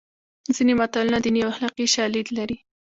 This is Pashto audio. ځینې متلونه دیني او اخلاقي شالید لري